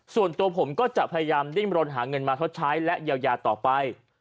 ส่วนตัวผมก็จะพยายามดิ้นรนหาเงินมาชดใช้และเยียวยาต่อไป